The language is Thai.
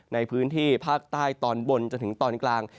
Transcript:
ในพื้นที่ภาคใต้ตอนบนจนถึงตอนกลาง